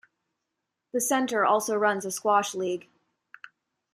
The centre also runs a squash league.